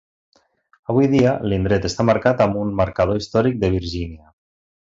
Avui dia, l'indret està marcat amb un Marcador Històric de Virgínia.